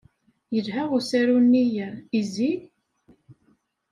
Yelha usaru-nni "Izi"?